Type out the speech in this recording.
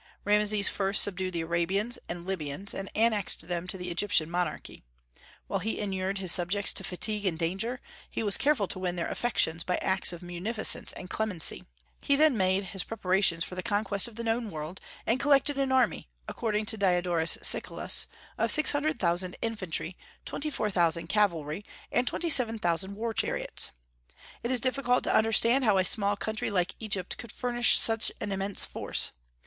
Rameses first subdued the Arabians and Libyans, and annexed them to the Egyptian monarchy. While he inured his subjects to fatigue and danger, he was careful to win their affections by acts of munificence and clemency. He then made his preparations for the conquest of the known world, and collected an army, according to Diodorus Siculus, of six hundred thousand infantry, twenty four thousand cavalry, and twenty seven thousand war chariots. It is difficult to understand how a small country like Egypt could furnish such an immense force.